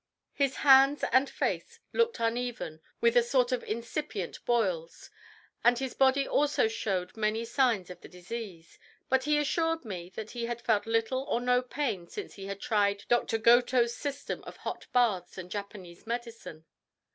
His hands and face looked uneven with a sort of incipient boils, and his body also showed many signs of the disease, but he assured me that he had felt little or no pain since he had tried Dr. Goto's system of hot baths and Japanese medicine.